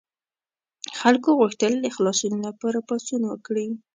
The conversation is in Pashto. خلکو غوښتل د خلاصون لپاره پاڅون وکړي.